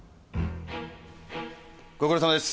ご苦労さまです。